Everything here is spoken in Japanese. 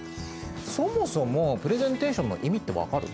そもそもプレゼンテーションの意味って分かる？